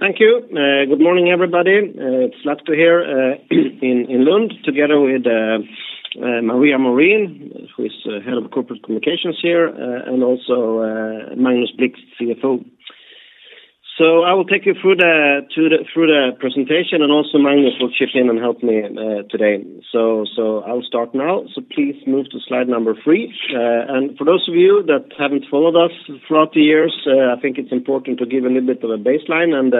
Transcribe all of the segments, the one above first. Thank you. Good morning, everybody. It's Zlatko here, in Lund together with Maria Morin, who is head of Corporate Communications here, and also Magnus Blixt, CFO. I will take you through the presentation, and also Magnus will chip in and help me today. I'll start now. Please move to slide number three. For those of you that haven't followed us throughout the years, I think it's important to give a little bit of a baseline and,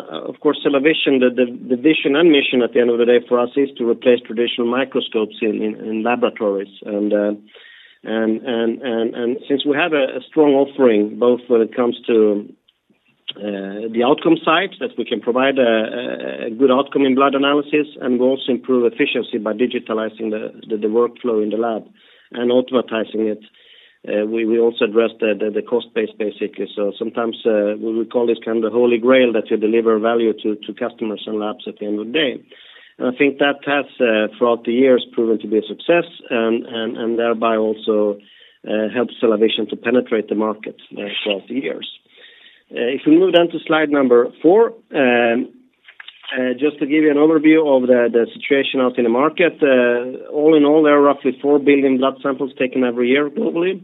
of course, CellaVision, the vision and mission at the end of the day for us is to replace traditional microscopes in laboratories. Since we have a strong offering, both when it comes to the outcome side, that we can provide a good outcome in blood analysis, and we also improve efficiency by digitalizing the workflow in the lab and automatizing it. We also address the cost base, basically. Sometimes, we would call this kind of the holy grail, that you deliver value to customers and labs at the end of the day. I think that has, throughout the years, proven to be a success, and thereby also helped CellaVision to penetrate the market throughout the years. If we move down to slide number four, just to give you an overview of the situation out in the market. All in all, there are roughly 4 billion blood samples taken every year globally.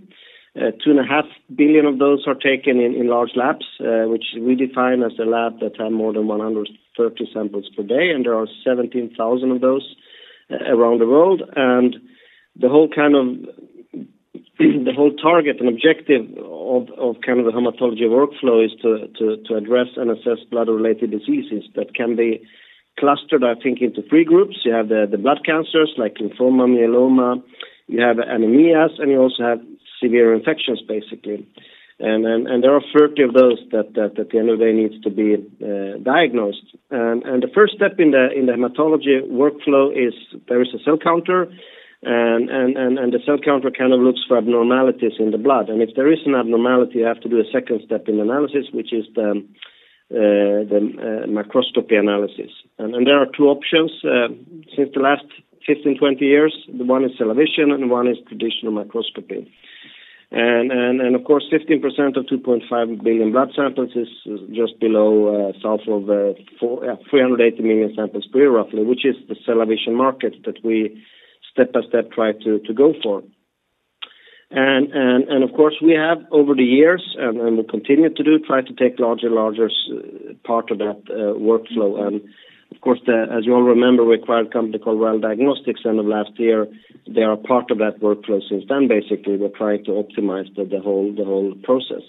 2.5 billion of those are taken in large labs, which we define as the lab that have more than 130 samples per day, and there are 17,000 of those around the world. The whole target and objective of the hematology workflow is to address and assess blood-related diseases that can be clustered, I think, into three groups. You have the blood cancers, like lymphoma, myeloma, you have anemias, and you also have severe infections, basically. There are 30 of those that, at the end of the day, needs to be diagnosed. The first step in the hematology workflow is there is a cell counter, and the cell counter looks for abnormalities in the blood. If there is an abnormality, you have to do a second step in analysis, which is the microscopy analysis. There are two options since the last 15-20 years. The one is CellaVision, and one is traditional microscopy. Of course, 15% of 2.5 billion blood samples is just below south of 380 million samples per year, roughly, which is the CellaVision market that we step by step try to go for. Of course, we have over the years, and we continue to do, try to take larger part of that workflow. Of course, as you all remember, we acquired a company called RAL Diagnostics end of last year. They are part of that workflow since then. Basically, we're trying to optimize the whole process.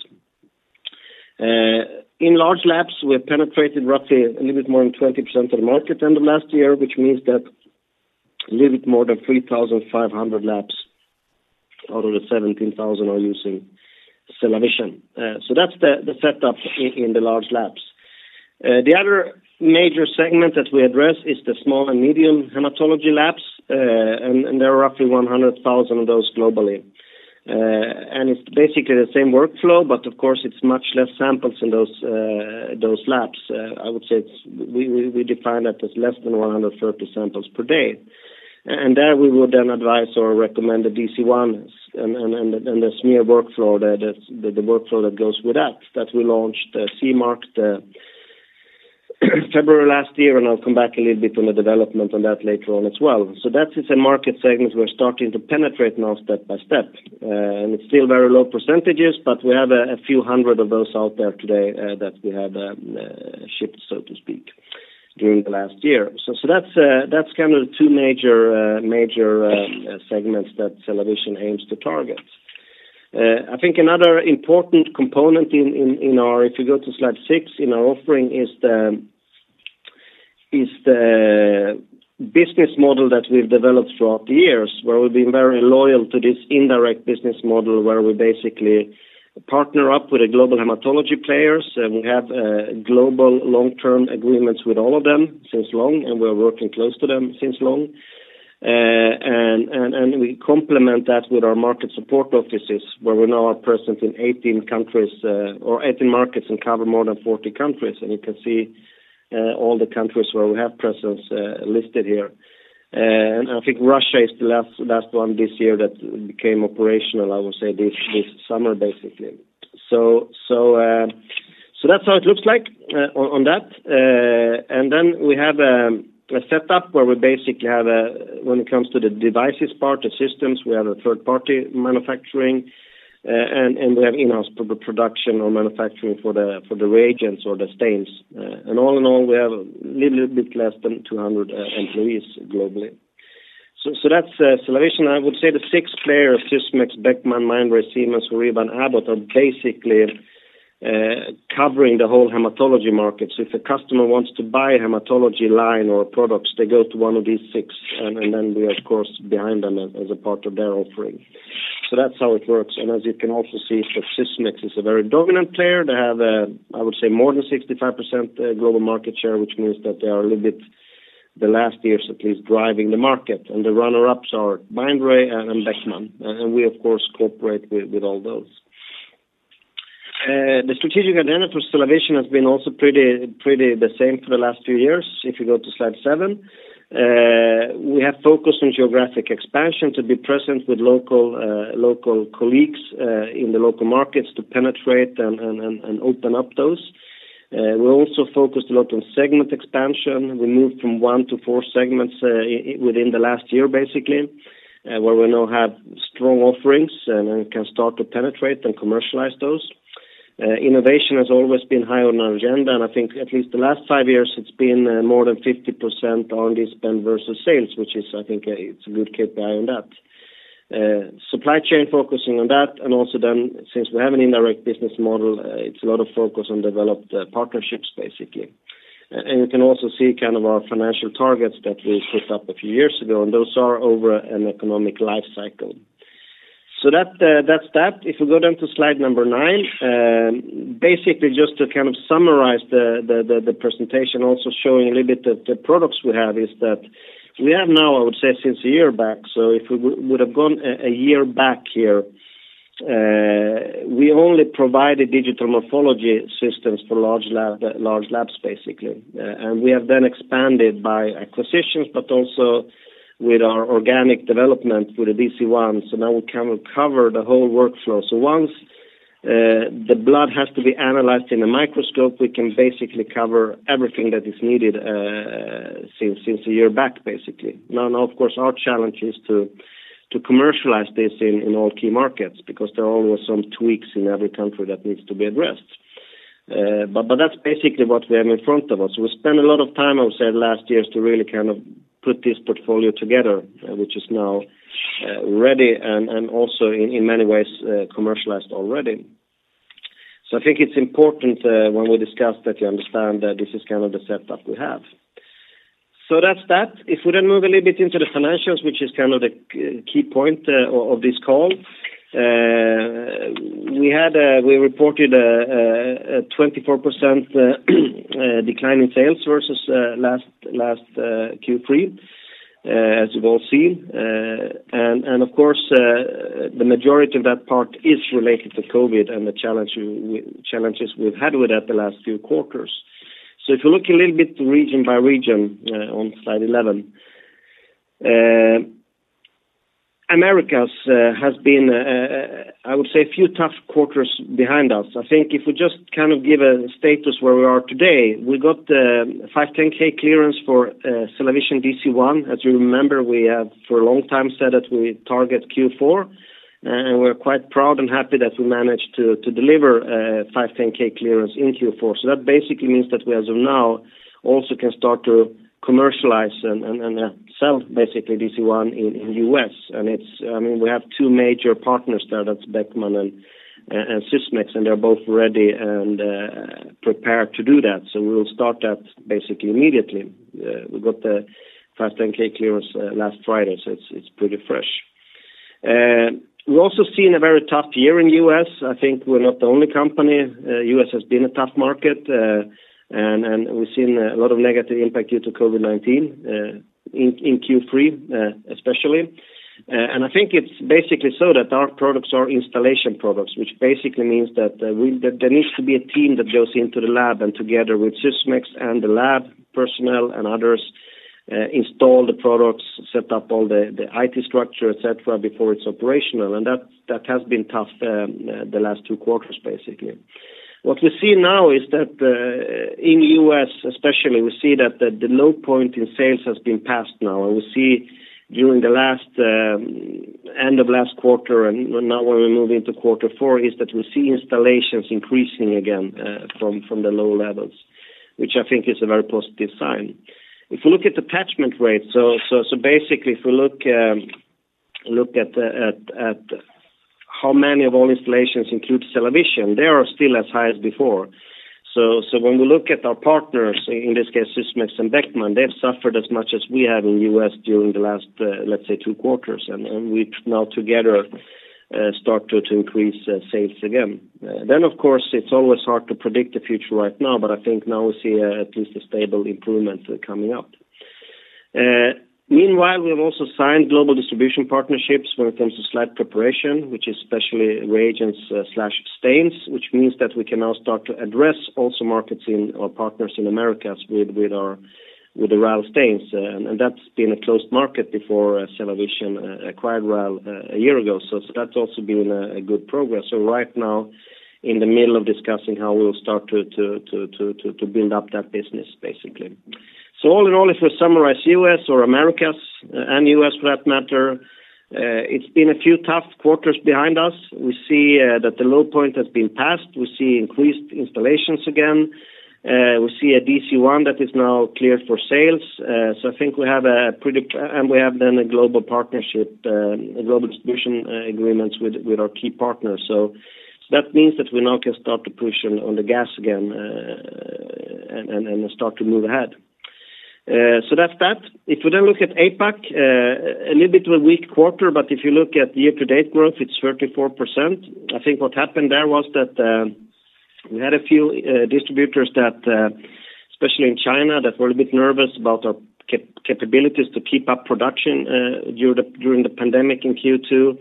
In large labs, we have penetrated roughly a little bit more than 20% of the market end of last year, which means that little bit more than 3,500 labs out of the 17,000 are using CellaVision. That's the setup in the large labs. The other major segment that we address is the small and medium hematology labs, and there are roughly 100,000 of those globally. It's basically the same workflow, but of course, it's much less samples in those labs. I would say we define that as less than 130 samples per day. There we would then advise or recommend the DC-1s and the smear workflow, the workflow that goes with that we launched, the CE mark, February last year. I'll come back a little bit on the development on that later on as well. That is a market segment we're starting to penetrate now step by step. It's still very low percentages, but we have a few hundred of those out there today, that we have shipped, so to speak, during the last year. That's kind of the two major segments that CellaVision aims to target. I think another important component, if you go to slide six, in our offering is the business model that we've developed throughout the years, where we've been very loyal to this indirect business model, where we basically partner up with the global hematology players, and we have global long-term agreements with all of them since long, and we're working close to them since long. We complement that with our market support offices, where we now are present in 18 countries, or 18 markets and cover more than 40 countries. You can see all the countries where we have presence listed here. I think Russia is the last one this year that became operational, I would say this summer, basically. That's how it looks like on that. We have a setup where we basically have, when it comes to the devices part, the systems, we have a third-party manufacturing, and we have in-house production or manufacturing for the reagents or the stains. All in all, we have a little bit less than 200 employees globally. That's CellaVision. I would say the six players, Sysmex, Beckman, Mindray, Siemens, HORIBA, and Abbott, are basically covering the whole hematology market. If a customer wants to buy a hematology line or products, they go to one of these six, and then we are of course, behind them as a part of their offering. That's how it works. As you can also see, Sysmex is a very dominant player. They have, I would say, more than 65% global market share, which means that they are a little bit, the last years at least, driving the market. The runner-ups are Mindray and Beckman. We, of course, cooperate with all those. The strategic agenda for CellaVision has been also pretty the same for the last few years. If you go to slide seven, we have focused on geographic expansion to be present with local colleagues, in the local markets to penetrate and open up those. We also focused a lot on segment expansion. We moved from one to four segments within the last year, basically, where we now have strong offerings and can start to penetrate and commercialize those. Innovation has always been high on our agenda, I think at least the last five years it's been more than 50% R&D spend versus sales, which I think is a good KPI on that. Supply chain, focusing on that, and also then, since we have an indirect business model, it's a lot of focus on developed partnerships, basically. You can also see our financial targets that we set up a few years ago, and those are over an economic life cycle. That's that. If we go then to slide number nine, basically just to summarize the presentation, also showing a little bit the products we have is that we have now, I would say, since a year back, so if we would've gone a year back here, we only provided digital morphology systems for large labs, basically. We have then expanded by acquisitions, but also with our organic development with the DC-1. Now we can cover the whole workflow. Once the blood has to be analyzed in a microscope, we can basically cover everything that is needed since a year back, basically. Now, of course, our challenge is to commercialize this in all key markets, because there are always some tweaks in every country that needs to be addressed. That's basically what we have in front of us. We spent a lot of time, I would say, last years, to really put this portfolio together, which is now ready and also, in many ways, commercialized already. I think it's important when we discuss that you understand that this is the setup we have. That's that. If we move a little bit into the financials, which is the key point of this call. We reported a 24% decline in sales versus last Q3, as you've all seen. Of course, the majority of that part is related to COVID and the challenges we've had with that the last few quarters. If you look a little bit region by region, on slide 11. Americas has been, I would say, a few tough quarters behind us. I think if we just give a status where we are today, we got the 510(k) clearance for CellaVision DC-1. As you remember, we have for a long time said that we target Q4, and we're quite proud and happy that we managed to deliver 510(k) clearance in Q4. That basically means that we, as of now, also can start to commercialize and sell basically DC-1 in U.S. We have two major partners there. That's Beckman and Sysmex, and they're both ready and prepared to do that. We'll start that basically immediately. We got the 510 clearance last Friday, so it's pretty fresh. We've also seen a very tough year in U.S. I think we're not the only company. U.S. has been a tough market, and we've seen a lot of negative impact due to COVID-19, in Q3 especially. I think it's basically so that our products are installation products, which basically means that there needs to be a team that goes into the lab and, together with Sysmex and the lab personnel and others, install the products, set up all the IT structure, et cetera, before it's operational. That has been tough, the last two quarters, basically. What we see now is that, in U.S. especially, we see that the low point in sales has been passed now, and we see during the end of last quarter and now when we move into quarter four, is that we see installations increasing again, from the low levels, which I think is a very positive sign. If you look at attachment rates, so basically if you look at how many of all installations include CellaVision, they are still as high as before. When we look at our partners, in this case, Sysmex and Beckman, they have suffered as much as we have in U.S. during the last, let's say, two quarters. We now together start to increase sales again. Of course, it's always hard to predict the future right now, but I think now we see at least a stable improvement coming up. Meanwhile, we have also signed global distribution partnerships when it comes to slide preparation, which is especially reagents/stains, which means that we can now start to address also markets in our partners in Americas with the RAL stains. That's been a closed market before CellaVision acquired RAL a year ago, that's also been a good progress. Right now, in the middle of discussing how we will start to build up that business, basically. All in all, if we summarize U.S. or Americas and U.S. for that matter, it's been a few tough quarters behind us. We see that the low point has been passed. We see increased installations again. We see a DC-1 that is now cleared for sales. I think we have a global partnership, global distribution agreements with our key partners. That means that we now can start to push on the gas again, and start to move ahead. That's that. If we look at APAC, a little bit of a weak quarter, but if you look at year-to-date growth, it's 34%. I think what happened there was that we had a few distributors that, especially in China, that were a bit nervous about our capabilities to keep up production during the pandemic in Q2.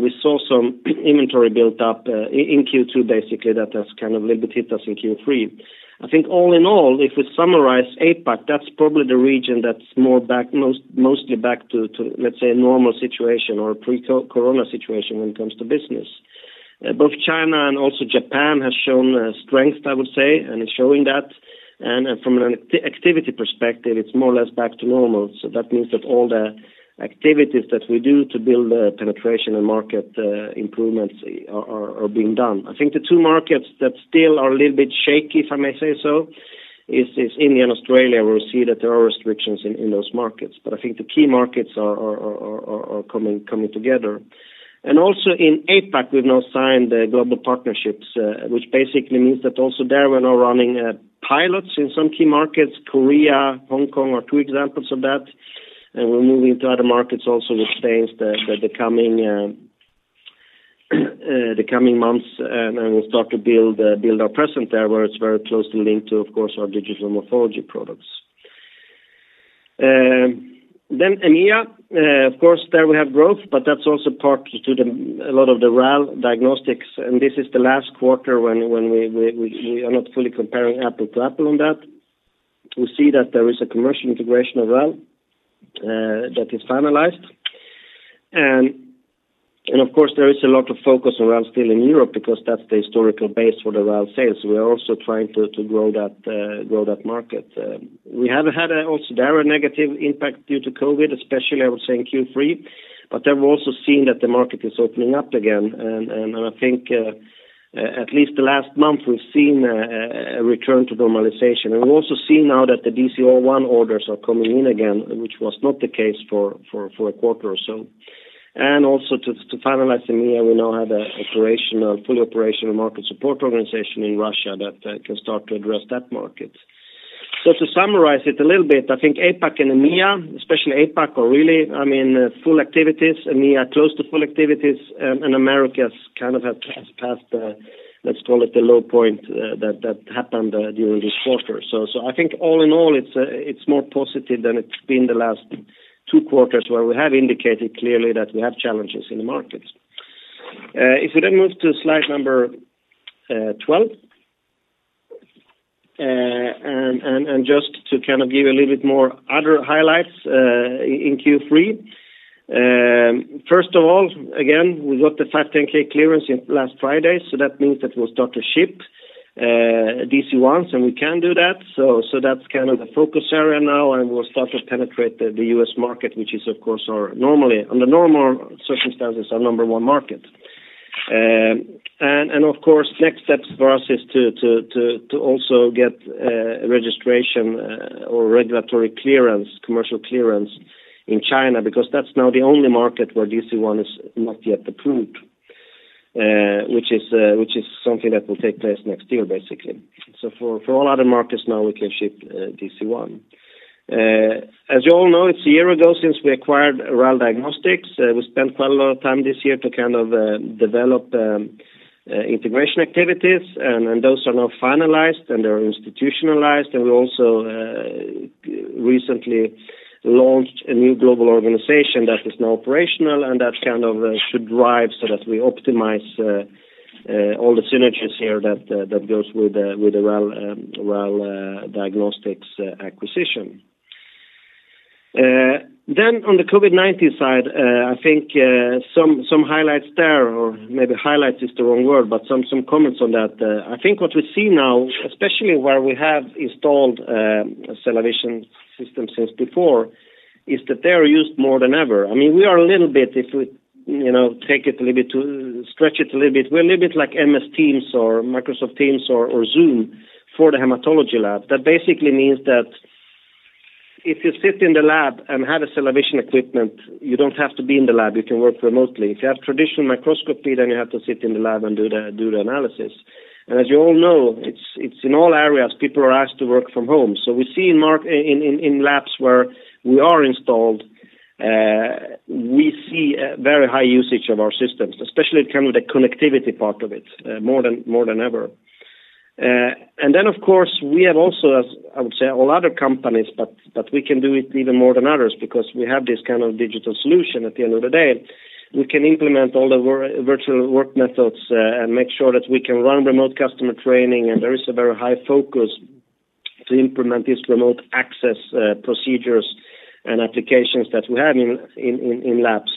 We saw some inventory built up in Q2 basically, that has limited us in Q3. I think all in all, if we summarize APAC, that's probably the region that's mostly back to, let's say, a normal situation or pre-corona situation when it comes to business. Both China and also Japan have shown strength, I would say, and is showing that. From an activity perspective, it's more or less back to normal. That means that all the activities that we do to build penetration and market improvements are being done. I think the two markets that still are a little bit shaky, if I may say so, is India and Australia. We see that there are restrictions in those markets, but I think the key markets are coming together. Also in APAC, we've now signed global partnerships, which basically means that also there, we're now running pilots in some key markets. Korea, Hong Kong are two examples of that. We're moving to other markets also with stains the coming months, and we'll start to build our presence there, where it's very closely linked to, of course, our digital morphology products. EMEA, of course, there we have growth, but that's also part to a lot of the RAL Diagnostics. This is the last quarter when we are not fully comparing apple to apple on that. We see that there is a commercial integration of RAL that is finalized. Of course, there is a lot of focus around still in Europe, because that's the historical base for the RAL sales. We are also trying to grow that market. We have had also there a negative impact due to COVID, especially, I would say, in Q3. There, we're also seeing that the market is opening up again. I think at least the last month, we've seen a return to normalization. We've also seen now that the DC-1 orders are coming in again, which was not the case for a quarter or so. Also to finalize EMEA, we now have a fully operational market support organization in Russia that can start to address that market. To summarize it a little bit, I think APAC and EMEA, especially APAC, are really in full activities. EMEA, close to full activities. Americas has passed the, let's call it, the low point that happened during this quarter. I think all in all, it's more positive than it's been the last two quarters where we have indicated clearly that we have challenges in the markets. If we move to slide number 12, just to give a little bit more other highlights in Q3. First of all, again, we got the 510(k) clearance last Friday. That means that we'll start to ship DC-1s. We can do that. That's the focus area now. We'll start to penetrate the U.S. market, which is, of course, under normal circumstances, our number one market. Of course, next steps for us is to also get registration or regulatory clearance, commercial clearance in China, because that's now the only market where DC-1 is not yet approved, which is something that will take place next year, basically. For all other markets now, we can ship DC-1. As you all know, it's a year ago since we acquired RAL Diagnostics. We spent quite a lot of time this year to develop integration activities, and those are now finalized, and they're institutionalized. We also recently launched a new global organization that is now operational, and that should drive so that we optimize all the synergies here that goes with the RAL Diagnostics acquisition. On the COVID-19 side, I think some highlights there, or maybe highlights is the wrong word, but some comments on that. I think what we see now, especially where we have installed CellaVision systems since before, is that they are used more than ever. We are a little bit, if we stretch it a little bit, we're a little bit like MS Teams or Microsoft Teams or Zoom for the hematology lab. That basically means that if you sit in the lab and have a CellaVision equipment, you don't have to be in the lab. You can work remotely. If you have traditional microscopy, you have to sit in the lab and do the analysis. As you all know, it's in all areas, people are asked to work from home. We see in labs where we are installed, we see very high usage of our systems, especially the connectivity part of it, more than ever. Of course, we have also, as I would say, all other companies, but we can do it even more than others because we have this kind of digital solution at the end of the day. We can implement all the virtual work methods and make sure that we can run remote customer training, and there is a very high focus to implement these remote access procedures and applications that we have in labs.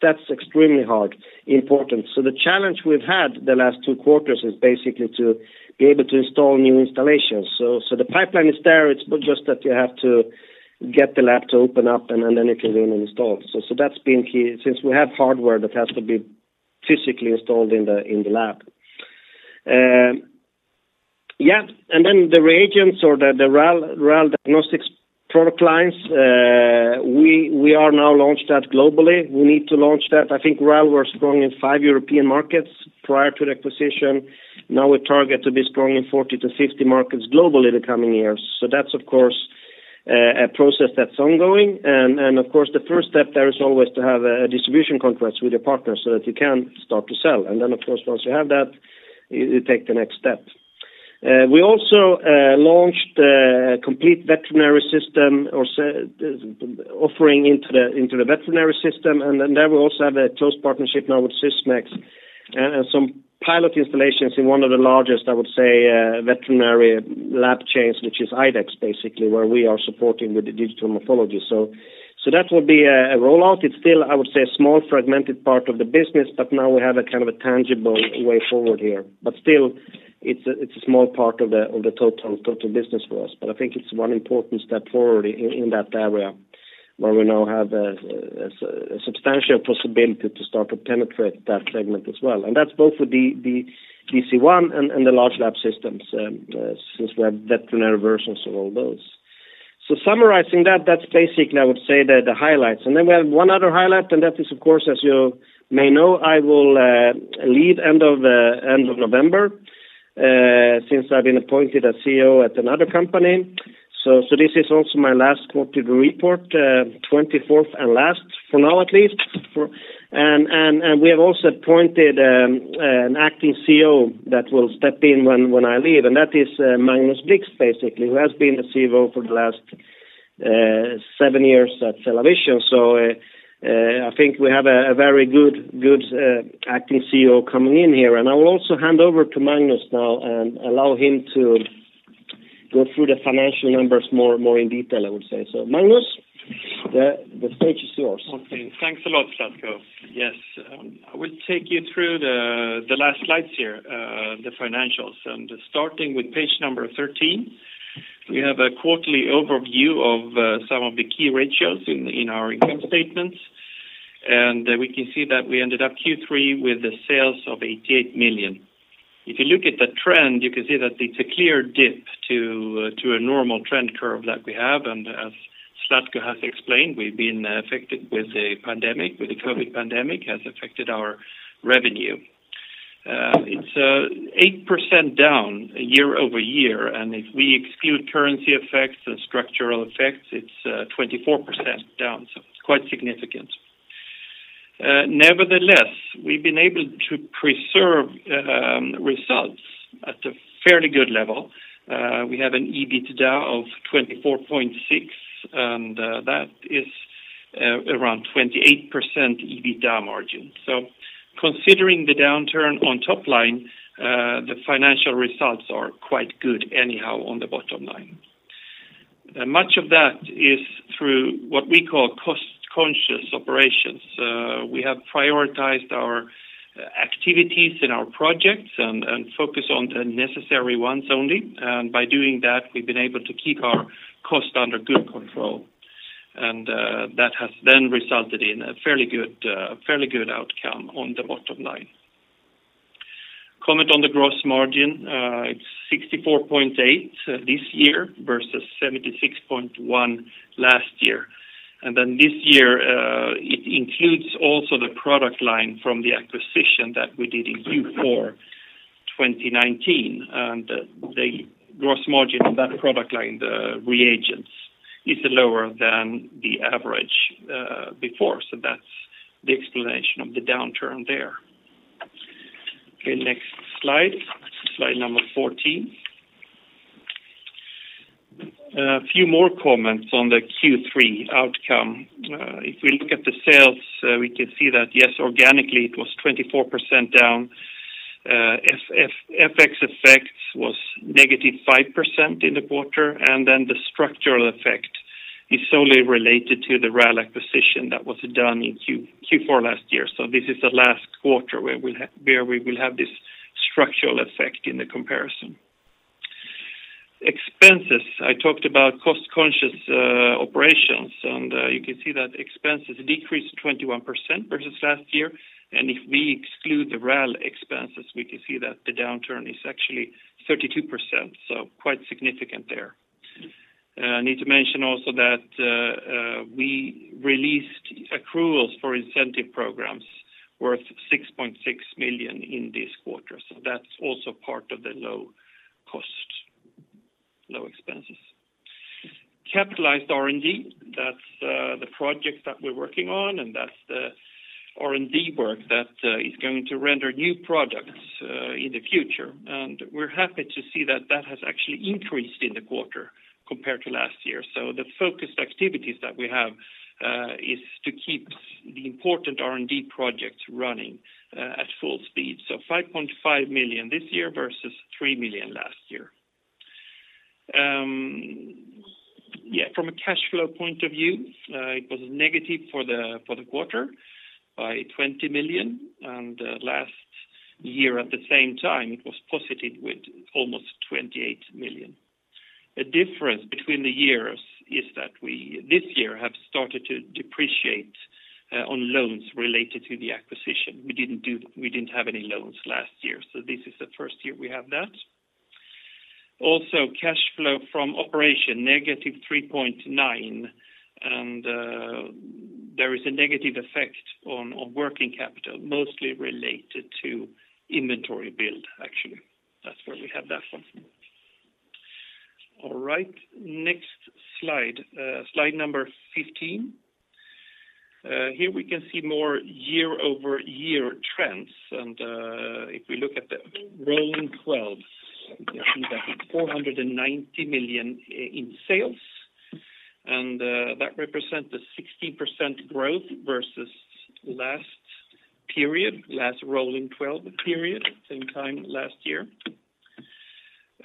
That's extremely hard, important. The challenge we've had the last two quarters is basically to be able to install new installations. The pipeline is there. It's just that you have to get the lab to open up and then it can be installed. That's been key since we have hardware that has to be physically installed in the lab. Yeah. The reagents or the RAL Diagnostics product lines, we are now launched that globally. We need to launch that. I think RAL was strong in five European markets prior to the acquisition. We target to be strong in 40 to 50 markets globally in the coming years. That's, of course, a process that's ongoing. Of course, the first step there is always to have distribution contracts with your partners so that you can start to sell. Of course, once you have that, you take the next step. We also launched a complete veterinary system or offering into the veterinary system, there we also have a close partnership now with Sysmex and some pilot installations in one of the largest veterinary lab chains, which is IDEXX, basically, where we are supporting with the digital pathology. That will be a rollout. It's still, I would say, a small fragmented part of the business, but now we have a tangible way forward here. Still, it's a small part of the total business for us. I think it's one important step forward in that area, where we now have a substantial possibility to start to penetrate that segment as well. That's both for the DC-1 and the large lab systems, since we have veterinary versions of all those. Summarizing that's basically, I would say, the highlights. Then we have one other highlight, and that is, of course, as you may know, I will leave end of November, since I've been appointed a CEO at another company. This is also my last quarterly report, 24th and last for now at least. We have also appointed an acting CEO that will step in when I leave, and that is Magnus Blixt, basically, who has been the CFO for the last seven years at CellaVision. I think we have a very good acting CEO coming in here. I will also hand over to Magnus now and allow him to go through the financial numbers more in detail, I would say so. Magnus, the stage is yours. Okay. Thanks a lot, Zlatko. Yes. I will take you through the last slides here, the financials. Starting with page number 13, we have a quarterly overview of some of the key ratios in our income statements. We can see that we ended up Q3 with the sales of 88 million. If you look at the trend, you can see that it's a clear dip to a normal trend curve like we have. As Zlatko has explained, we've been affected with the COVID pandemic, has affected our revenue. It's 8% down year-over-year. If we exclude currency effects and structural effects, it's 24% down. It's quite significant. Nevertheless, we've been able to preserve results at a fairly good level. We have an EBITDA of 24.6. That is around 28% EBITDA margin. Considering the downturn on top line, the financial results are quite good anyhow on the bottom line. Much of that is through what we call cost-conscious operations. We have prioritized our activities in our projects and focus on the necessary ones only. By doing that, we've been able to keep our cost under good control. That has resulted in a fairly good outcome on the bottom line. Comment on the gross margin, it's 64.8% this year versus 76.1% last year. This year, it includes also the product line from the acquisition that we did in Q4 2019. The gross margin on that product line, the reagents, is lower than the average before. That's the explanation of the downturn there. Okay, next slide. Slide number 14. A few more comments on the Q3 outcome. If we look at the sales, we can see that, yes, organically it was 24% down. FX effects was negative 5% in the quarter. The structural effect is solely related to the RAL acquisition that was done in Q4 last year. This is the last quarter where we will have this structural effect in the comparison. Expenses. I talked about cost-conscious operations. You can see that expenses decreased 21% versus last year. If we exclude the RAL expenses, we can see that the downturn is actually 32%, so quite significant there. We need to mention also that we released accruals for incentive programs worth 6.6 million in this quarter, so that's also part of the low cost, low expenses. Capitalized R&D, that's the project that we're working on, and that's the R&D work that is going to render new products in the future. We're happy to see that that has actually increased in the quarter compared to last year. The focused activities that we have is to keep the important R&D projects running at full speed. 5.5 million this year versus 3 million last year. From a cash flow point of view, it was negative for the quarter by 20 million, last year at the same time, it was positive with almost 28 million. The difference between the years is that we, this year, have started to depreciate on loans related to the acquisition. We didn't have any loans last year, this is the first year we have that. Also, cash flow from operation, -3.9 million, there is a negative effect on working capital, mostly related to inventory build, actually. That's where we have that from. All right. Next slide number 15. Here we can see more year-over-year trends. If we look at the rolling 12s, we can see that it's 490 million in sales. That represents a 16% growth versus last period, last rolling 12-period, same time last year.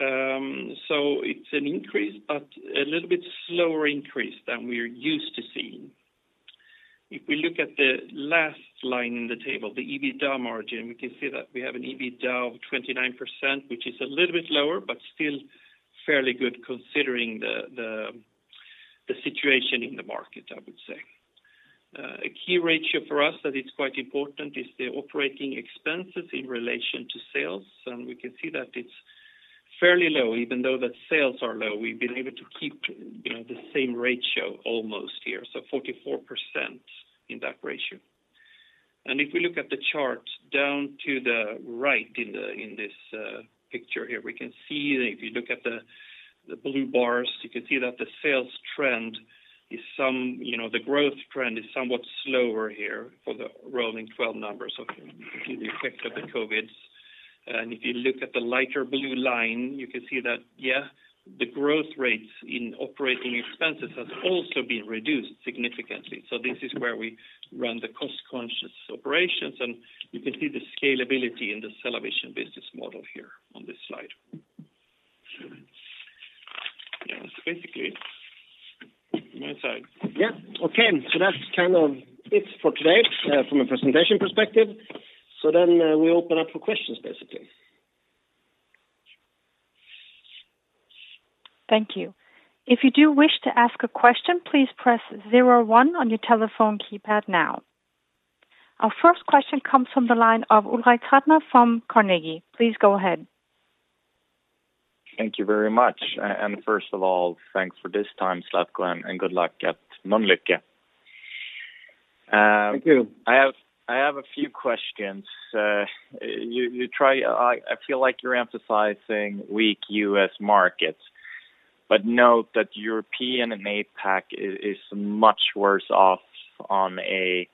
It's an increase, but a little bit slower increase than we are used to seeing. If we look at the last line in the table, the EBITDA margin, we can see that we have an EBITDA of 29%, which is a little bit lower, but still fairly good considering the situation in the market, I would say. A key ratio for us that it's quite important is the operating expenses in relation to sales. We can see that it's fairly low. Even though that sales are low, we have been able to keep the same ratio almost here. 44% in that ratio. If we look at the chart down to the right in this picture here, if you look at the blue bars, you can see that the sales trend, the growth trend is somewhat slower here for the rolling 12 numbers, the effect of the COVID. If you look at the lighter blue line, you can see that, yeah, the growth rates in operating expenses has also been reduced significantly. This is where we run the cost-conscious operations, and you can see the scalability in the CellaVision business model here on this slide. That's basically it for my side. Yeah. Okay. That's it for today from a presentation perspective. We open up for questions, basically. Thank you. If you do wish to ask a question, please press zero one on your telephone keypad now. Our first question comes from the line of Ulrik Trattner from Carnegie. Please go ahead. Thank you very much. First of all, thanks for this time, Zlatko, good luck at Mölnlycke. Thank you. I have a few questions. I feel like you're emphasizing weak U.S. markets, but note that European and APAC is much worse off on a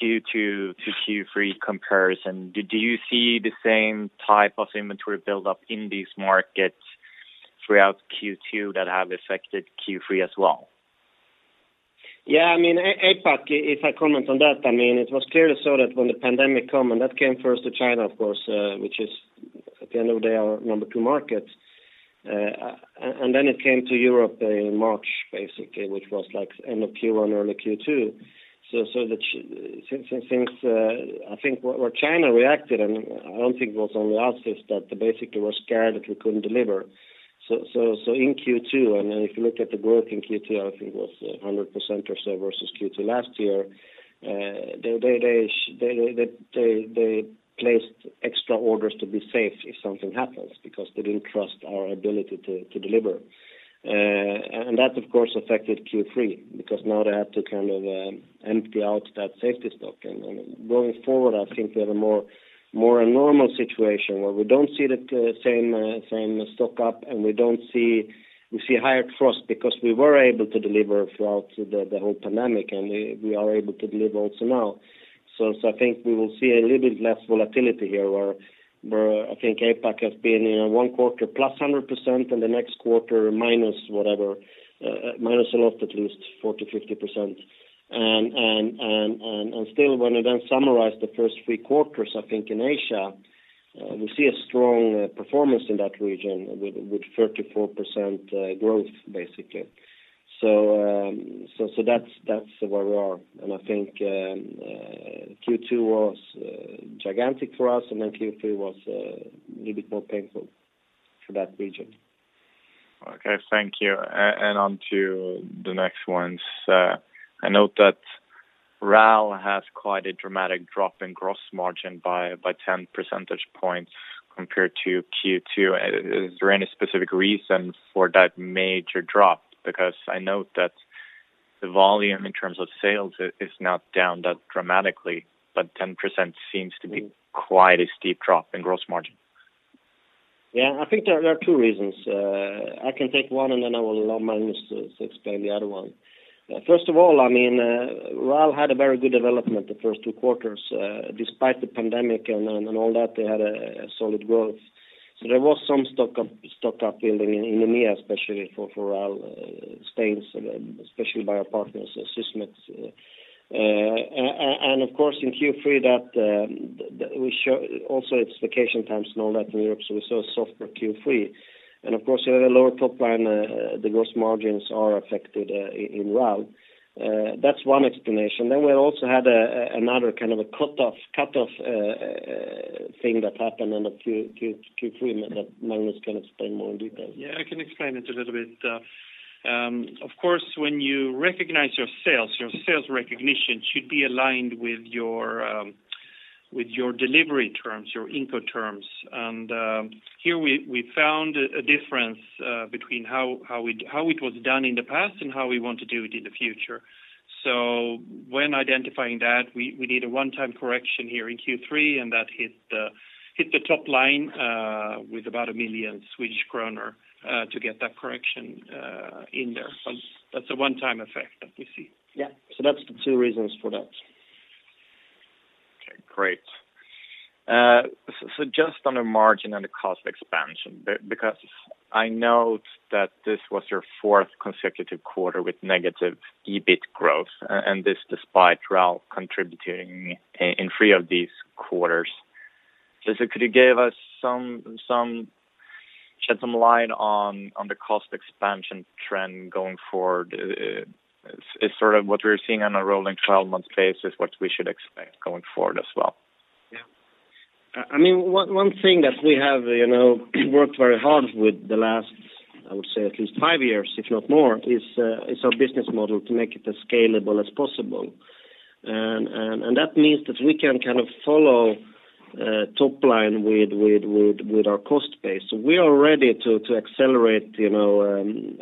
Q2 to Q3 comparison. Do you see the same type of inventory buildup in these markets throughout Q2 that have affected Q3 as well? Yeah. APAC, if I comment on that, it was clearly so that when the pandemic come, that came first to China, of course, which is at the end of the day our number two market. Then it came to Europe in March, basically, which was end of Q1, early Q2. I think where China reacted, and I don't think it was only us, is that they basically were scared that we couldn't deliver. In Q2, then if you look at the growth in Q2, I think it was 100% or so versus Q2 last year. They placed extra orders to be safe if something happens because they didn't trust our ability to deliver. That, of course, affected Q3 because now they have to empty out that safety stock. Going forward, I think we have a more normal situation where we don't see the same stock-up, and we see higher trust because we were able to deliver throughout the whole pandemic, and we are able to deliver also now. I think we will see a little bit less volatility here where I think APAC has been in one quarter +100% and the next quarter minus whatever, minus a lot, at least 40%-50%. Still when I then summarize the first three quarters, I think in Asia, we see a strong performance in that region with 34% growth, basically. That's where we are. I think Q2 was gigantic for us, and then Q3 was a little bit more painful for that region. Okay. Thank you. On to the next ones. I note that RAL has quite a dramatic drop in gross margin by 10 percentage points compared to Q2. Is there any specific reason for that major drop? I note that the volume in terms of sales is not down that dramatically, but 10% seems to be quite a steep drop in gross margin. Yeah, I think there are two reasons. I can take one, and then I will allow Magnus to explain the other one. First of all, RAL had a very good development the first two quarters. Despite the pandemic and all that, they had a solid growth. There was some stock-up building in EMEA, especially for RAL stains, especially by our partners, Sysmex. Of course, in Q3, also it's vacation times and all that in Europe, so we saw a softer Q3. Of course, you have a lower top line. The gross margins are affected in RAL. That's one explanation. We also had another kind of a cutoff thing that happened in the Q3 that Magnus can explain more in detail. Yeah, I can explain it a little bit. Of course, when you recognize your sales, your sales recognition should be aligned with your delivery terms, your [Incoterms]. Here we found a difference between how it was done in the past and how we want to do it in the future. When identifying that, we did a one-time correction here in Q3, and that hit the top line with about 1 million Swedish kronor to get that correction in there. That's a one-time effect that we see. Yeah. That's the two reasons for that. Great. Just on the margin and the cost expansion, because I know that this was your fourth consecutive quarter with negative EBIT growth, and this despite RAL contributing in three of these quarters. Could you shed some light on the cost expansion trend going forward? Is what we're seeing on a rolling 12-month basis what we should expect going forward as well? Yeah. One thing that we have worked very hard with the last, I would say at least five years, if not more, is our business model to make it as scalable as possible. That means that we can follow top line with our cost base. We are ready to accelerate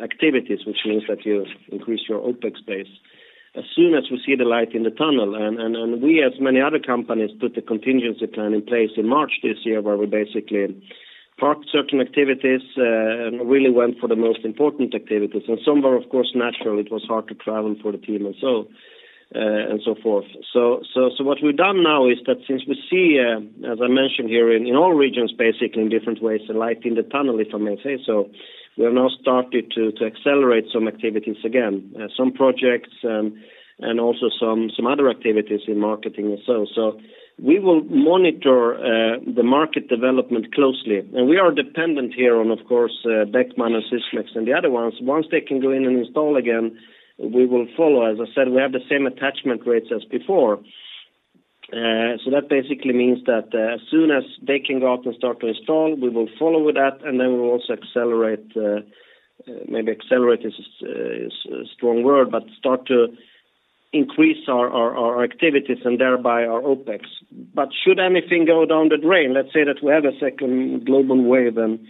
activities, which means that you increase your OpEx base as soon as we see the light in the tunnel. We, as many other companies, put the contingency plan in place in March this year, where we basically parked certain activities, and really went for the most important activities. Some were, of course, natural. It was hard to travel for the team and so forth. What we've done now is that since we see, as I mentioned here, in all regions, basically, in different ways, a light in the tunnel, if I may say so, we have now started to accelerate some activities again, some projects, and also some other activities in marketing or so. We will monitor the market development closely. We are dependent here on, of course, Beckman Coulter and Sysmex and the other ones. Once they can go in and install again, we will follow. As I said, we have the same attachment rates as before. That basically means that as soon as they can go out and start to install, we will follow with that, and then we will also accelerate. Maybe accelerate is a strong word, but start to increase our activities and thereby our OpEx. Should anything go down the drain, let's say that we have a second global wave, and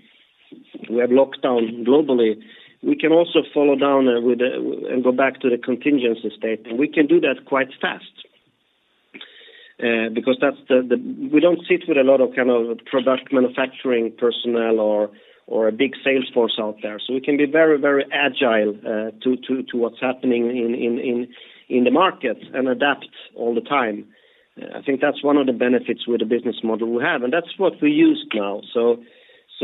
we have lockdown globally, we can also follow down and go back to the contingency state, and we can do that quite fast. We don't sit with a lot of product manufacturing personnel or a big sales force out there. We can be very agile to what's happening in the market and adapt all the time. I think that's one of the benefits with the business model we have, and that's what we use now.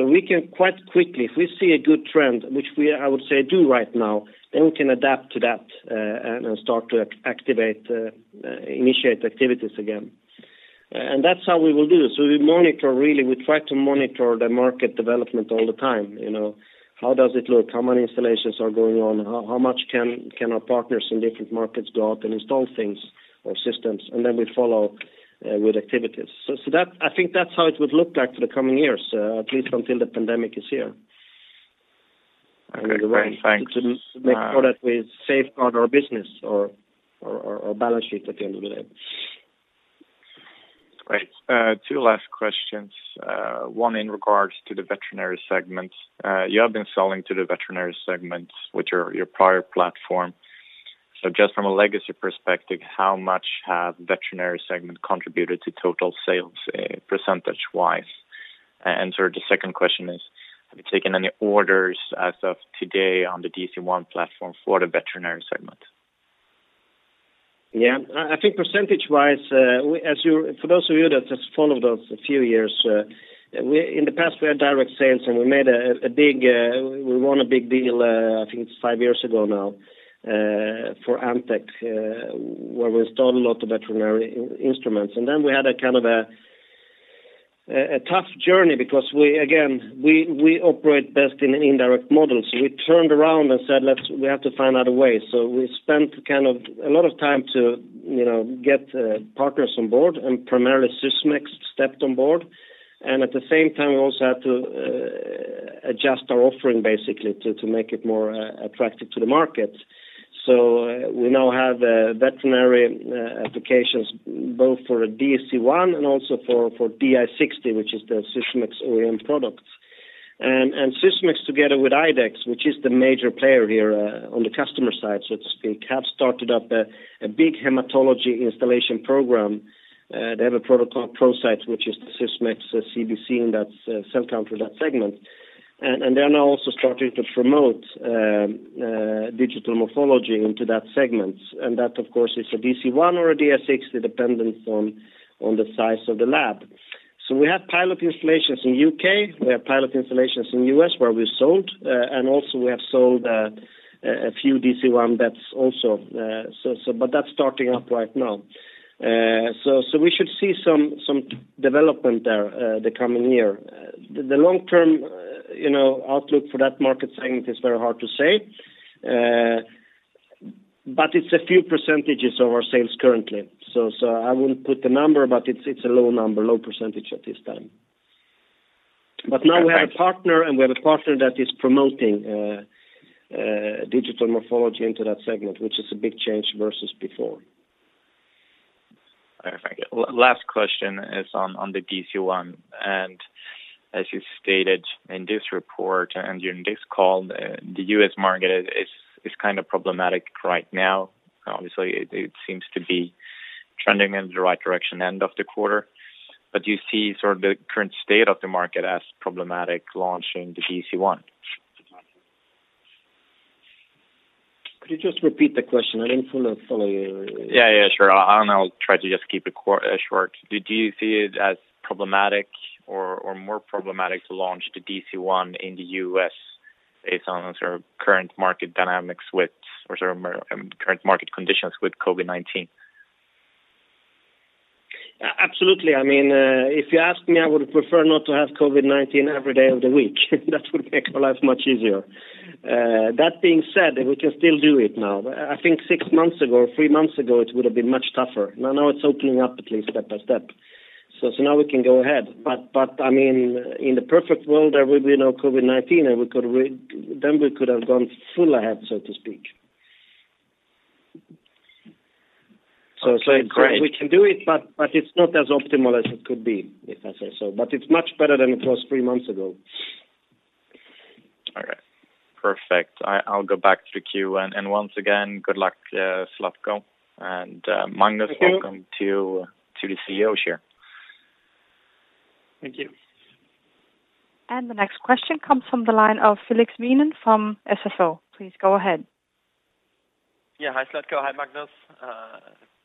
We can quite quickly, if we see a good trend, which we, I would say, do right now, then we can adapt to that, and start to initiate activities again. That's how we will do. We try to monitor the market development all the time. How does it look? How many installations are going on? How much can our partners in different markets go out and install things or systems? Then we follow with activities. I think that's how it would look like for the coming years, at least until the pandemic is here. Okay, great. Thanks. To make sure that we safeguard our business or balance sheet at the end of the day. Great. Two last questions. One in regards to the veterinary segment. You have been selling to the veterinary segment with your prior platform. Just from a legacy perspective, how much have veterinary segment contributed to total sales, percentage-wise? The second question is, have you taken any orders as of today on the DC-1 platform for the veterinary segment? Yeah. I think percentage-wise, for those of you that have followed us a few years, in the past, we had direct sales, and we won a big deal, I think it's five years ago now, for Antech, where we installed a lot of veterinary instruments. We had a tough journey because, again, we operate best in indirect models. We turned around and said, "We have to find other ways." We spent a lot of time to get partners on board, and primarily Sysmex stepped on board. At the same time, we also had to adjust our offering basically to make it more attractive to the market. We now have veterinary applications both for DC-1 and also for DI-60, which is the Sysmex OEM product. Sysmex together with IDEXX, which is the major player here on the customer side, so to speak, have started up a big hematology installation program. They have a product called ProCyte, which is the Sysmex CBC in that cell counter, that segment. They are now also starting to promote digital morphology into that segment. That, of course, is a DC-1 or a DI-60, dependent on the size of the lab. We have pilot installations in U.K., we have pilot installations in U.S. where we've sold, and also we have sold a few DC-1 VETs also. That's starting up right now. We should see some development there the coming year. The long-term outlook for that market segment is very hard to say. It's a few percentages of our sales currently. I wouldn't put the number, but it's a low number, low percentage at this time. Now we have a partner, and we have a partner that is promoting digital morphology into that segment, which is a big change versus before. Perfect. Last question is on the DC-1. As you stated in this report and during this call, the U.S. market is problematic right now. Obviously, it seems to be trending in the right direction end of the quarter. Do you see the current state of the market as problematic launching the DC-1? Could you just repeat the question? I didn't fully follow you. Yeah, sure. I'll try to just keep it short. Do you see it as problematic or more problematic to launch the DC-1 in the U.S. based on sort of current market dynamics with, or sort of current market conditions with COVID-19? Absolutely. If you ask me, I would prefer not to have COVID-19 every day of the week. That would make our life much easier. That being said, we can still do it now. I think six months ago, or three months ago, it would've been much tougher. Now it's opening up at least step by step. Now we can go ahead. In the perfect world, there would be no COVID-19, then we could have gone full ahead, so to speak. Okay, great. Of course we can do it, but it's not as optimal as it could be, if I say so. It's much better than it was three months ago. Okay, perfect. I'll go back to the queue. Once again, good luck, Zlatko. Magnus. Welcome to the CEO chair. The next question comes from the line of Felix Wienen from SFO. Please go ahead. Yeah. Hi, Zlatko. Hi, Magnus.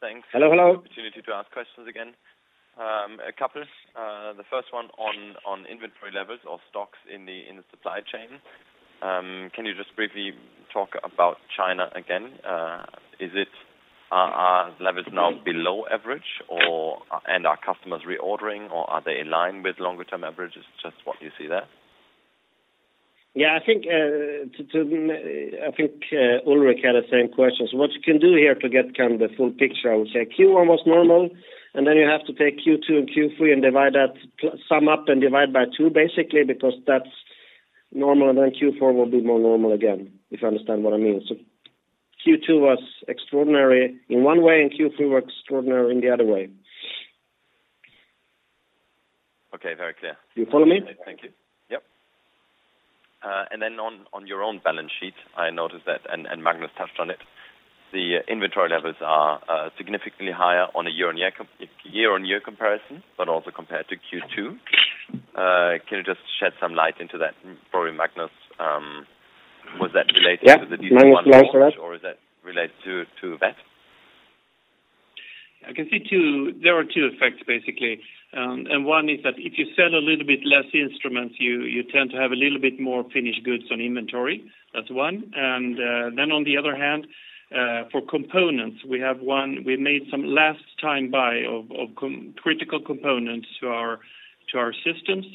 Thanks. Hello. Opportunity to ask questions again. A couple. The first one on inventory levels or stocks in the supply chain. Can you just briefly talk about China again? Are levels now below average, and are customers reordering or are they in line with longer term averages? Just what you see there. Yeah, I think Ulrik had the same question. What you can do here to get kind of the full picture, I would say Q1 was normal, you have to take Q2 and Q3 and sum up and divide by two basically, because that's normal. Q4 will be more normal again, if you understand what I mean. Q2 was extraordinary in one way, and Q3 was extraordinary in the other way. Okay. Very clear. Do you follow me? Thank you. Yep. On your own balance sheet, I noticed that, and Magnus touched on it, the inventory levels are significantly higher on a year-on-year comparison, but also compared to Q2. Can you just shed some light into that? Probably Magnus, was that related to the DC-1? Yeah. You want to answer that? Is that related to that? I can see two. There are two effects basically. One is that if you sell a little bit less instruments, you tend to have a little bit more finished goods on inventory. Then on the other hand, for components, we made some last time buy of critical components to our systems.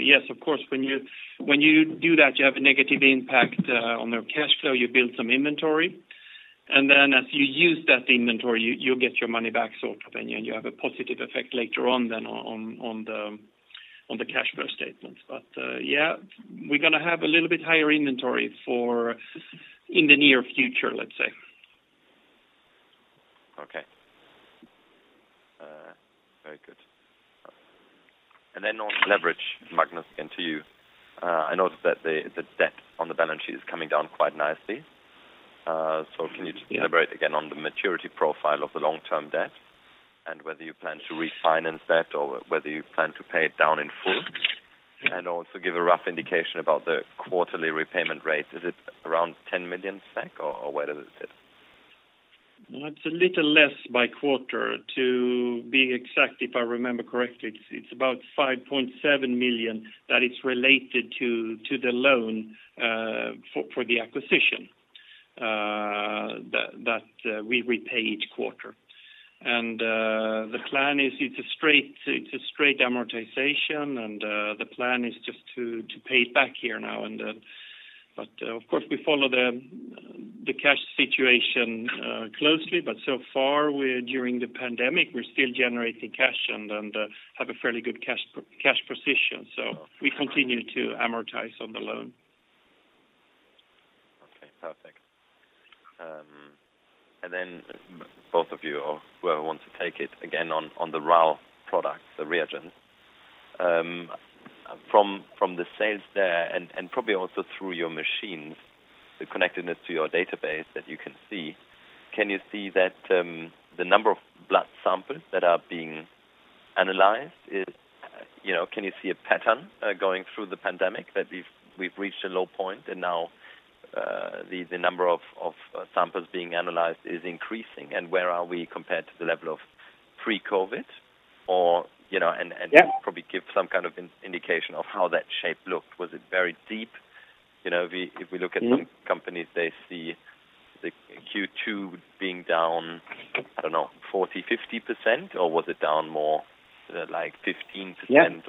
Yes, of course, when you do that, you have a negative impact on the cash flow. You build some inventory, then as you use that inventory, you'll get your money back sort of, you have a positive effect later on then on the cash flow statements. Yeah, we're going to have a little bit higher inventory in the near future, let's say. Okay. Very good. On leverage, Magnus, again to you. I noticed that the debt on the balance sheet is coming down quite nicely. Can you just elaborate again on the maturity profile of the long-term debt and whether you plan to refinance that or whether you plan to pay it down in full? Also give a rough indication about the quarterly repayment rate. Is it around 10 million SEK or where does it sit? Well, it's a little less by quarter. To be exact, if I remember correctly, it's about 5.7 million that is related to the loan, for the acquisition, that we repay each quarter. The plan is it's a straight amortization, and the plan is just to pay it back here now. Of course, we follow the cash situation closely, but so far, during the pandemic, we're still generating cash and have a fairly good cash position. We continue to amortize on the loan. Okay, perfect. Then both of you, or whoever wants to take it, again on the raw product, the reagent. From the sales there and probably also through your machines, the connectedness to your database that you can see, can you see that the number of blood samples that are being analyzed? Can you see a pattern going through the pandemic that we've reached a low point and now the number of samples being analyzed is increasing? Where are we compared to the level of pre-COVID? Probably give some kind of indication of how that shape looked. Was it very deep? If we look at some companies, they see the Q2 being down, I don't know, 40%, 50%, or was it down more, sort of like 15%.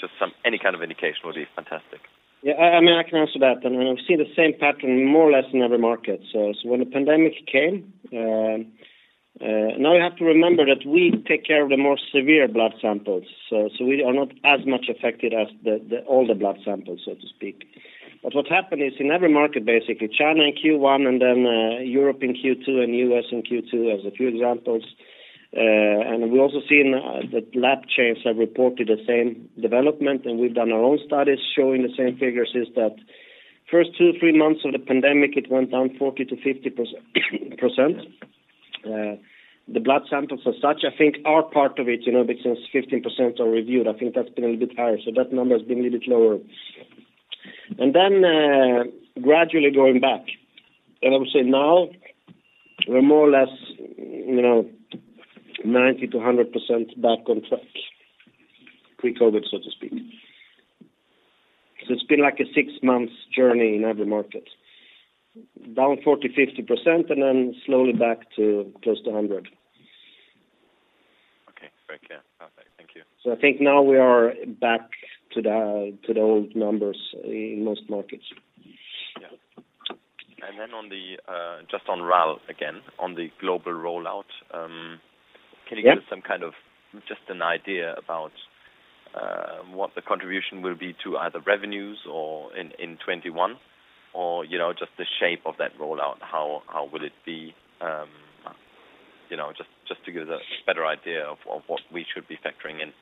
Just some any kind of indication would be fantastic. Yeah. I can answer that. We've seen the same pattern more or less in every market. When the pandemic came, now you have to remember that we take care of the more severe blood samples. We are not as much affected as all the blood samples, so to speak. What happened is in every market, basically China in Q1, then Europe in Q2, and U.S. in Q2, as a few examples. We also seen that lab chains have reported the same development, and we've done our own studies showing the same figures, is that first two, three months of the pandemic, it went down 40%-50%. The blood samples as such, I think our part of it, because 15% are reviewed, I think that's been a little bit higher. That number has been a little lower. Then gradually going back, and I would say now we're more or less 90% to 100% back on track pre-COVID, so to speak. It's been like a six months journey in every market, down 40%, 50%, and then slowly back to close to 100%. Okay. Very clear. Perfect. Thank you. I think now we are back to the old numbers in most markets. Yeah. Then just on RAL again, on the global rollout. Can you give some kind of just an idea about what the contribution will be to either revenues or in 2021 or just the shape of that rollout? How will it be? Just to give us a better idea of what we should be factoring in.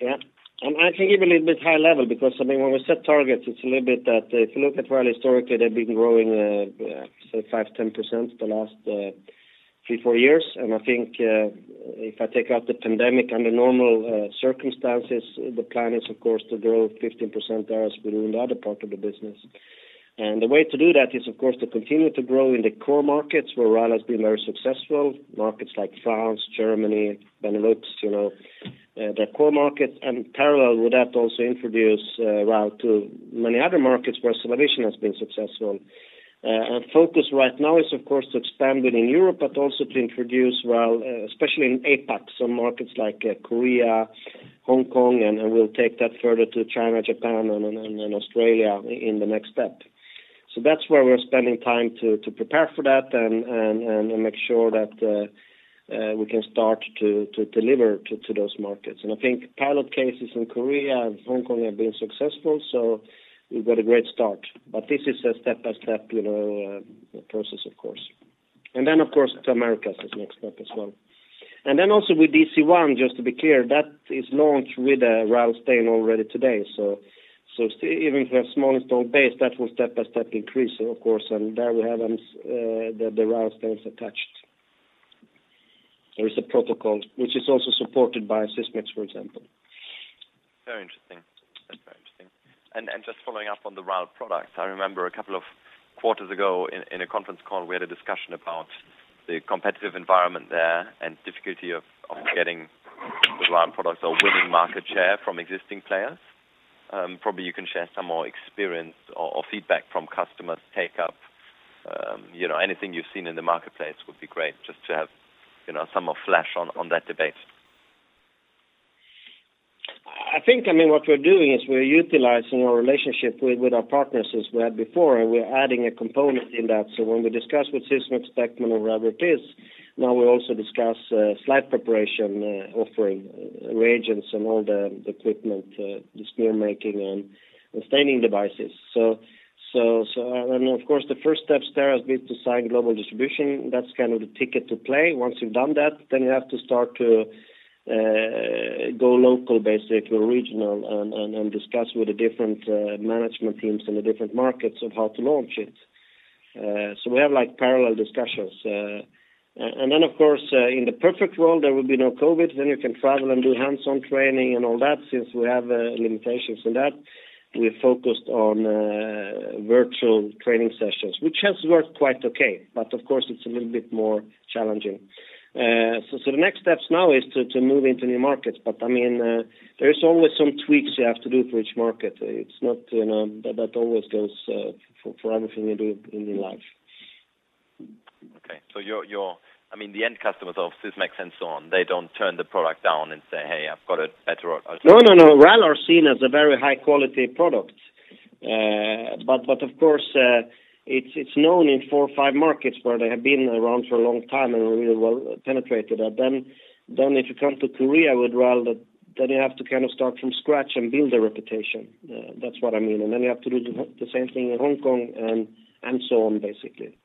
Yeah. I can give a little bit high level because, when we set targets, it's a little bit that if you look at where historically they've been growing, say 5%, 10% the last three, four years, I think if I take out the pandemic, under normal circumstances, the plan is, of course, to grow 15% there as we do in the other part of the business. The way to do that is, of course, to continue to grow in the core markets where RAL has been very successful, markets like France, Germany, Benelux, the core market, and parallel with that, also introduce RAL to many other markets where CellaVision has been successful. Our focus right now is, of course, to expand within Europe, but also to introduce RAL, especially in APAC. Markets like Korea, Hong Kong, and we'll take that further to China, Japan, and Australia in the next step. That's where we're spending time to prepare for that and make sure that we can start to deliver to those markets. I think pilot cases in Korea and Hong Kong have been successful, so we've got a great start. This is a step-by-step process, of course. Then, of course, to Americas is next step as well. Then also with DC-1, just to be clear, that is launched with a RAL stain already today. Even if you have small installed base, that will step-by-step increase, of course. There we have the RAL stains attached. There is a protocol which is also supported by Sysmex, for example. Very interesting. That's very interesting. Just following up on the RAL product, I remember a couple of quarters ago in a conference call, we had a discussion about the competitive environment there and difficulty of getting the RAL products or winning market share from existing players. Probably you can share some more experience or feedback from customers take up. Anything you've seen in the marketplace would be great just to have some more flash on that debate. I think what we're doing is we're utilizing our relationship with our partners as we had before. We're adding a component in that. When we discuss with Sysmex, Beckman, or whoever it is, now we also discuss slide preparation, offering reagents, and all the equipment, the smear making, and the staining devices. Of course, the first steps there has been to sign global distribution. That's kind of the ticket to play. Once you've done that, you have to start to go local, basically, or regional, discuss with the different management teams in the different markets of how to launch it. We have parallel discussions. Of course, in the perfect world, there will be no COVID, you can travel and do hands-on training and all that. Since we have limitations in that, we focused on virtual training sessions, which has worked quite okay. Of course, it's a little bit more challenging. The next steps now is to move into new markets. There's always some tweaks you have to do for each market. That always goes for everything you do in your life. Okay. The end customers of Sysmex and so on, they don't turn the product down and say, "Hey, I've got a better alternative." No. RAL are seen as a very high-quality product. Of course, it's known in four or five markets where they have been around for a long time and are really well penetrated. If you come to Korea with RAL, then you have to kind of start from scratch and build a reputation. That's what I mean. You have to do the same thing in Hong Kong and so on, basically.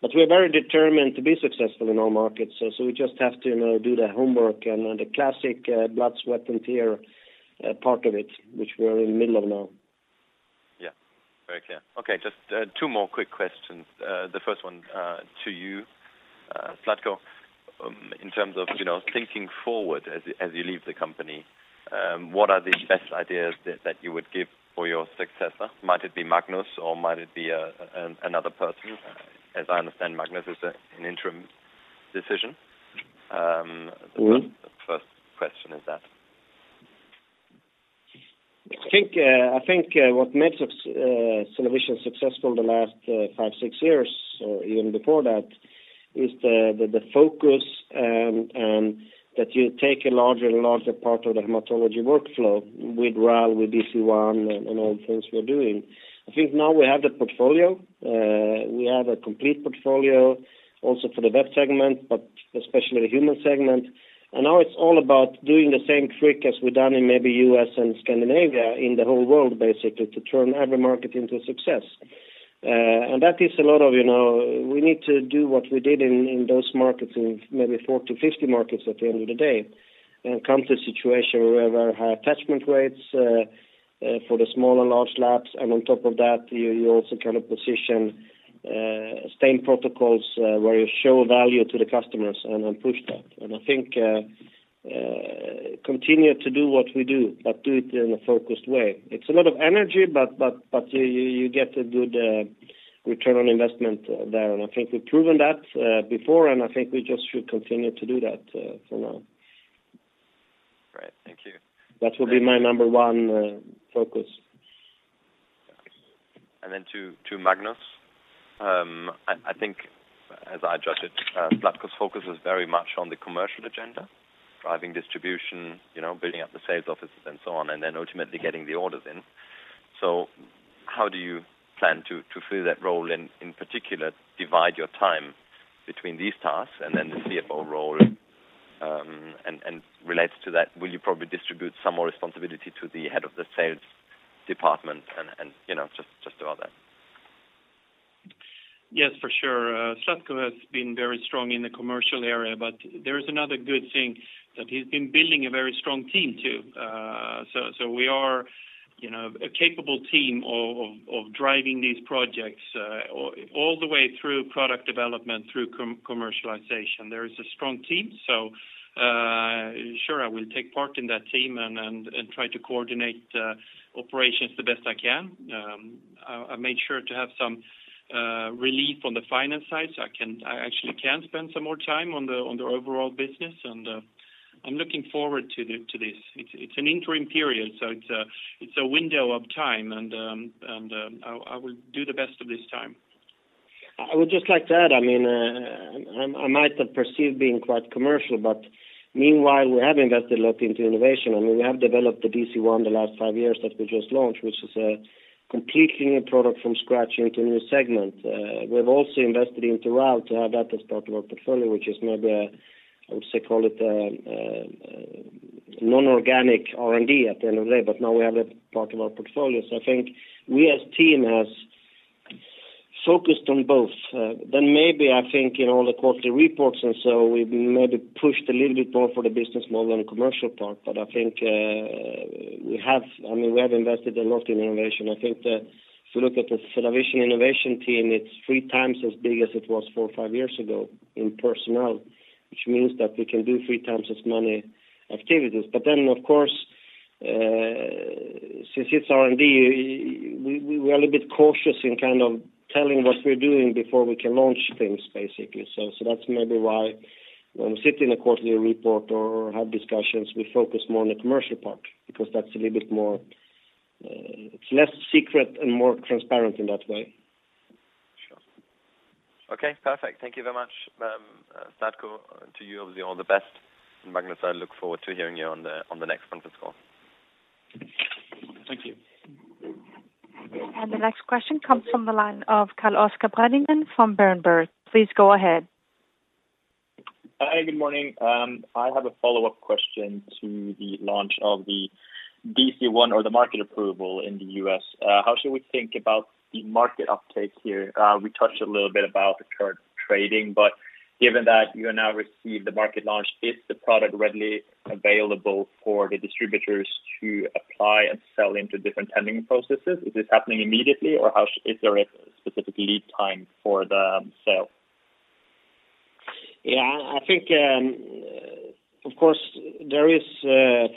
We're very determined to be successful in all markets, so we just have to do the homework and the classic blood, sweat and tear part of it, which we're in the middle of now. Yeah. Very clear. Okay, just two more quick questions. The first one to you, Zlatko. In terms of thinking forward as you leave the company, what are the best ideas that you would give for your successor? Might it be Magnus or might it be another person? As I understand, Magnus is an interim decision. The first question is that. I think what makes CellaVision successful in the last five, six years, or even before that, is the focus and that you take a larger and larger part of the hematology workflow with RAL, with DC-1, and all the things we're doing. I think now we have the portfolio. We have a complete portfolio also for the vet segment, but especially the human segment. Now it's all about doing the same trick as we've done in maybe U.S. and Scandinavia in the whole world, basically, to turn every market into a success. That is, we need to do what we did in those markets in maybe 40, 50 markets at the end of the day, and come to a situation where we have very high attachment rates for the small and large labs, and on top of that, you also kind of positioning protocols where you show value to the customers and then push that. I think continue to do what we do, but do it in a focused way. It's a lot of energy, but you get a good return on investment there. I think we've proven that before, and I think we just should continue to do that for now. Great. Thank you. That will be my number one focus. Then to Magnus. I think as I judge it, Zlatko's focus is very much on the commercial agenda, driving distribution, building up the sales offices and so on, and then ultimately getting the orders in. How do you plan to fill that role and in particular, divide your time between these tasks and then the CFO role? Relates to that, will you probably distribute some more responsibility to the Head of the Sales Department and just about that? Yes, for sure. Zlatko has been very strong in the commercial area. There is another good thing, that he's been building a very strong team too. We are a capable team of driving these projects, all the way through product development, through commercialization. There is a strong team. Sure I will take part in that team and try to coordinate operations the best I can. I made sure to have some relief on the finance side, so I actually can spend some more time on the overall business and I'm looking forward to this. It's an interim period, so it's a window of time and I will do the best of this time. I would just like to add, I might have perceived being quite commercial. Meanwhile, we have invested a lot into innovation and we have developed the DC-1 the last five years that we just launched, which is a completely new product from scratch into a new segment. We have also invested into RAL to have that as part of our portfolio, which is maybe, I would say, call it non-organic R&D at the end of the day. Now we have that part of our portfolio. I think we as team have focused on both. Maybe I think in all the quarterly reports and so we maybe pushed a little bit more for the business model and commercial part. I think we have invested a lot in innovation. I think that if you look at the CellaVision innovation team, it's three times as big as it was four or five years ago in personnel, which means that we can do three times as many activities. Of course, since it's R&D, we are a little bit cautious in kind of telling what we're doing before we can launch things basically. That's maybe why when we sit in a quarterly report or have discussions, we focus more on the commercial part because that's a little bit more, it's less secret and more transparent in that way. Sure. Okay, perfect. Thank you very much. Zlatko, to you obviously all the best. Magnus, I look forward to hearing you on the next conference call. Thank you. The next question comes from the line of Carl-Oscar Bredengen from Berenberg. Please go ahead. Hi, good morning. I have a follow-up question to the launch of the DC-1 or the market approval in the U.S. How should we think about the market uptake here? We touched a little bit about the current trading, but given that you have now received the market launch, is the product readily available for the distributors to apply and sell into different tendering processes? Is this happening immediately or is there a specific lead time for the sale? I think, of course,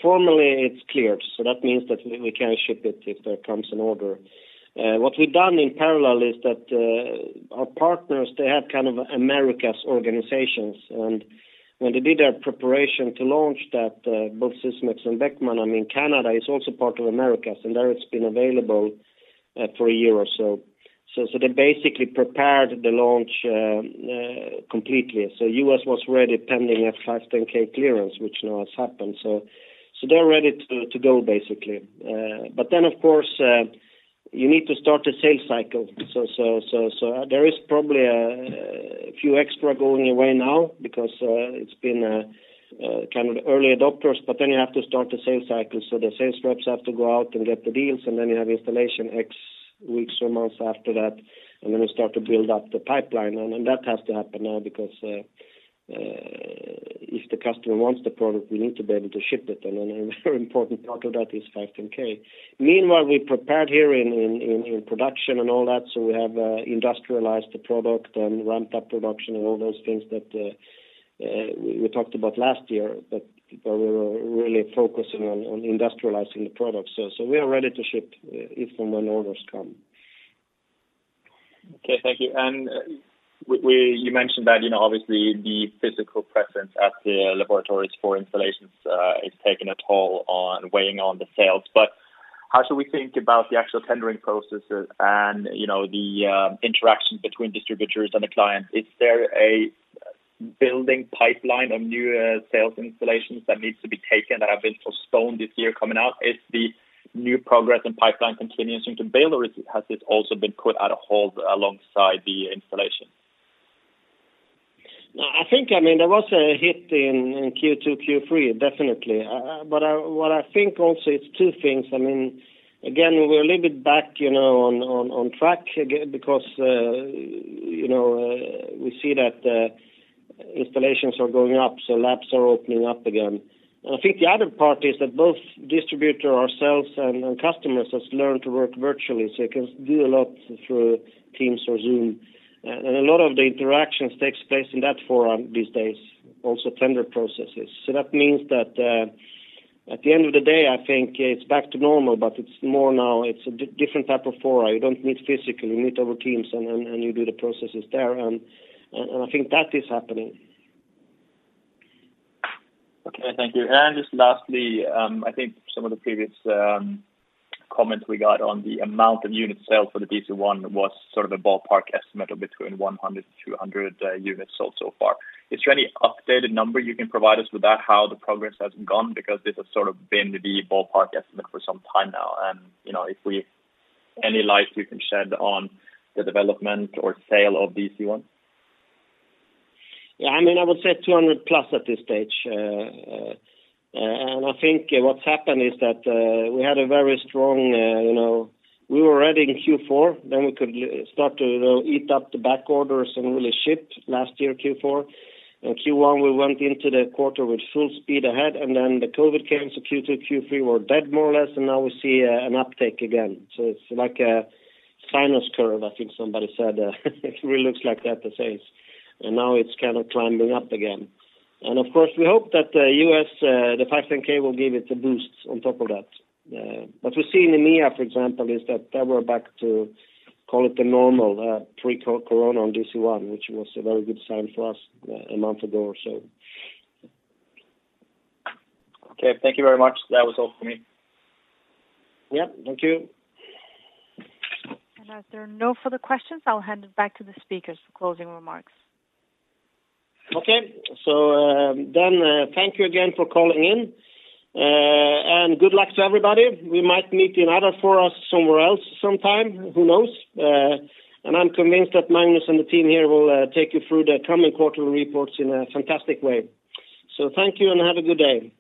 formally it's cleared. That means that we can ship it if there comes an order. What we've done in parallel is that our partners, they have kind of Americas organizations, and when they did their preparation to launch that, both Sysmex and Beckman, Canada is also part of Americas, and there it's been available for a year or so. They basically prepared the launch completely. U.S. was already pending at 510(k) clearance, which now has happened. They're ready to go basically. Of course, you need to start the sales cycle. There is probably a few extra going away now because it's been kind of early adopters. Then you have to start the sales cycle. The sales reps have to go out and get the deals and then you have installation X weeks or months after that and then you start to build up the pipeline and that has to happen now because if the customer wants the product, we need to be able to ship it and a very important part of that is 510(k). Meanwhile we prepared here in production and all that so we have industrialized the product and ramped up production and all those things that we talked about last year, but we were really focusing on industrializing the product. We are ready to ship if and when orders come. Okay, thank you. You mentioned that obviously the physical presence at the laboratories for installations is taking a toll on weighing on the sales. How should we think about the actual tendering processes and the interaction between distributors and the clients? Is there a building pipeline of new sales installations that needs to be taken that have been postponed this year coming out? Is the new progress and pipeline continuing to build or has it also been put at a halt alongside the installation? I think there was a hit in Q2, Q3 definitely. What I think also it's two things. Again, we're a little bit back on track because we see that installations are going up, labs are opening up again. I think the other part is that both distributor, ourselves, and customers have learned to work virtually, you can do a lot through Teams or Zoom. A lot of the interactions take place in that forum these days, also tender processes. That means that at the end of the day, I think it's back to normal, but it's more now, it's a different type of forum. You don't meet physically, you meet over Teams, you do the processes there. I think that is happening. Okay, thank you. Just lastly, I think some of the previous comments we got on the amount of unit sales for the DC-1 was sort of a ballpark estimate of between 100-200 units sold so far. Is there any updated number you can provide us with that, how the progress has gone? Because this has sort of been the ballpark estimate for some time now. If any light we can shed on the development or sale of DC-1? Yeah, I would say 200+ at this stage. I think what's happened is that we were ready in Q4, then we could start to eat up the backorders and really ship last year, Q4. In Q1, we went into the quarter with full speed ahead, and then the COVID came, so Q2, Q3 were dead more or less, and now we see an uptick again. It's like a sinus curve, I think somebody said. It really looks like that these days. Now it's kind of climbing up again. Of course, we hope that the U.S. DC-1 will give it a boost on top of that. What we see in EMEA, for example, is that they were back to call it the normal pre-COVID on DC-1, which was a very good sign for us a month ago or so. Okay. Thank you very much. That was all for me. Yeah. Thank you. As there are no further questions, I'll hand it back to the speakers for closing remarks. Okay. Thank you again for calling in, and good luck to everybody. We might meet in other forums somewhere else sometime, who knows? I'm convinced that Magnus and the team here will take you through the coming quarterly reports in a fantastic way. Thank you and have a good day.